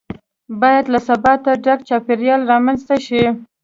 باید له ثباته ډک چاپیریال رامنځته شي.